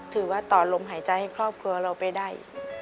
ถือว่าต่อลมหายใจให้ครอบครัวเราไปได้